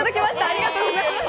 ありがとうございます。